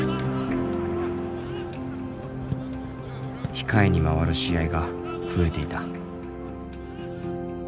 控えに回る試合が増えていた。